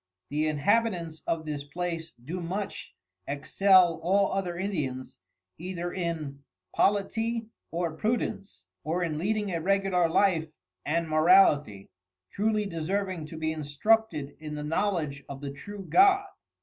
The Inhabitants of this place do much excel all other Indians, either in Politie or Prudence, or in leading a Regular Life and Morality, truly deserving to be instructed in the Knowledge of the true God.